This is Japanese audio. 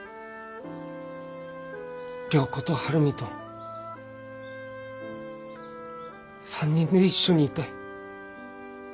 良子と晴海と３人で一緒にいたい。